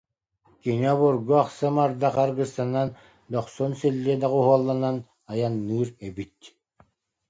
Кини обургу ахсым ардах аргыстанан, дохсун силлиэ доҕуһуолланан айанныыр эбит